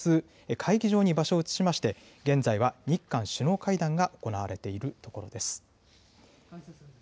会議場に場所を移しまして、現在は日韓首脳会談が行われているところです。